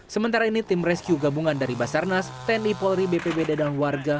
sementara ini tim rescue gabungan dari basarnas tni polri bpbd dan warga